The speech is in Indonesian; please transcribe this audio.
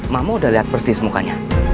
mama udah lihat persis mukanya